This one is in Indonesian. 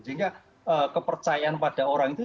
sehingga kepercayaan pada orang itu